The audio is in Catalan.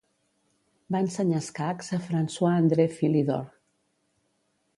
Va ensenyar escacs a François-André Philidor.